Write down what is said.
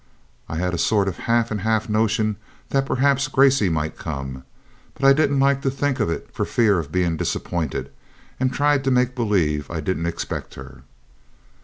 I had a sort of half and half notion that perhaps Gracey might come, but I didn't like to think of it for fear of being disappointed, and tried to make believe I didn't expect her.